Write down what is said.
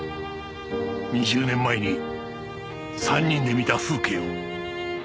２０年前に３人で見た風景を。